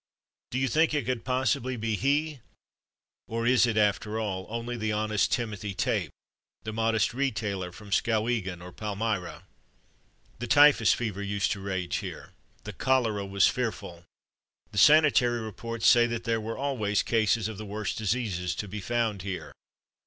Do you think it could possibly be he, or is it, after all, only the honest Timothy Tape, the modest retailer from Skowhegan or Palmyra?... The typhus fever used to rage here; the cholera was fearful. The sanitary reports say that there were always cases of the worst diseases to be found here.